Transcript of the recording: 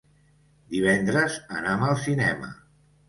Divendres anam al cinema.